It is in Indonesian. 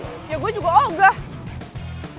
ya gue juga oh enggak